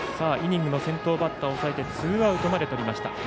イニングの先頭バッターを抑えてツーアウトまでとりました。